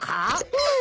うん。